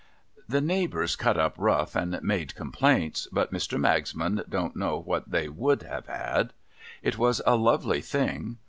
The neighbours cut up rough, and made complaints ; but Mr. Magsman don't know what they ivould have had. It was a lovely thing.